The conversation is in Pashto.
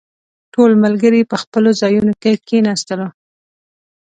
ټول ملګري په خپلو ځايونو کې کښېناستلو.